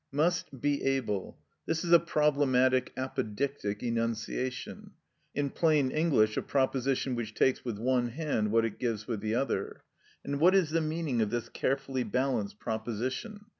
Must—be able: this is a problematic apodictic enunciation; in plain English, a proposition which takes with one hand what it gives with the other. And what is the meaning of this carefully balanced proposition?